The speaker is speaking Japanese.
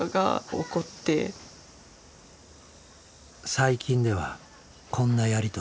最近ではこんなやり取りも。